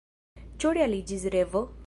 Ĉu realiĝis revo?